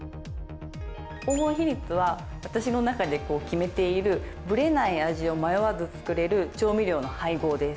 黄金比率は私の中で決めているブレない味を迷わず作れる調味料の配合です